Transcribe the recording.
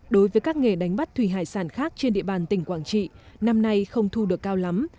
đối với các nghề đánh bắt thủy hải sản khác trên địa bàn tỉnh quảng trị năm nay không thu được cao lắm